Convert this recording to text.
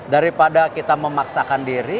daripada kita memaksakan diri